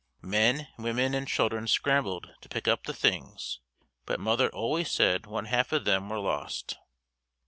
Men, women and children scrambled to pick up the things but mother always said one half of them were lost.